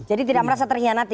jadi tidak merasa terhianati